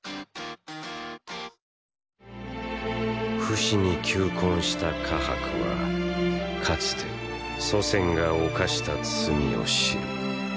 フシに求婚したカハクはかつて祖先が犯した罪を知る。